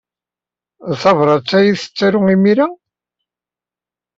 D tabṛat ay la tettarud imir-a?